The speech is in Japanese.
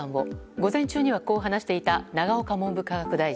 午前中には、こう話していた永岡文部科学大臣。